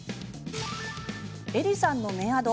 エリさんのメアド